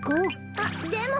あっでも。